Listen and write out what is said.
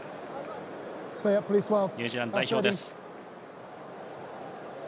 ニュージーランド代表です。